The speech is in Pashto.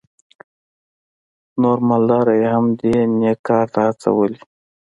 نور مالداره یې هم دې نېک کار ته هڅولي.